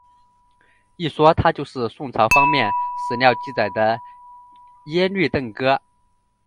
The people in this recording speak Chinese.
一说他就是宋朝方面史料记载的耶律郑哥。